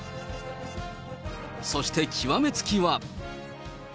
そして極めつきは。